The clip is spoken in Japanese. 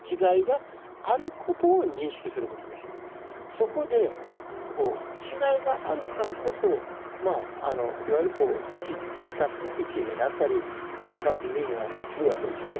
そこで違いがあるからこそいわゆるこう１＋１になったり１＋２になったりするわけですよね。